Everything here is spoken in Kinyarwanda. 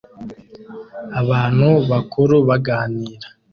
Abantu bakuru baganira